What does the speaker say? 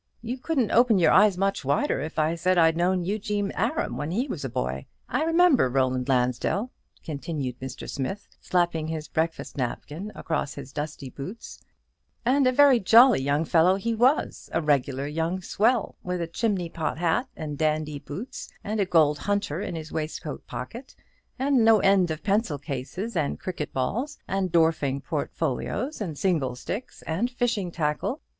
You couldn't open your eyes much wider if I'd said I'd known Eugene Aram when he was a boy. I remember Roland Lansdell," continued Mr. Smith, slapping his breakfast napkin across his dusty boots, "and a very jolly young fellow he was; a regular young swell, with a chimney pot hat and dandy boots, and a gold hunter in his waistcoat pocket, and no end of pencil cases, and cricket bats, and drawing portfolios, and single sticks, and fishing tackle.